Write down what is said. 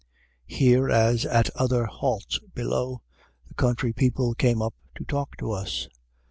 Here, as at other halts below, the country people came up to talk to us.